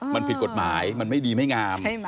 มันผิดกฎหมายมันไม่ดีไม่งาม